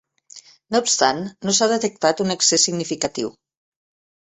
No obstant, no s'ha detectat un excés significatiu.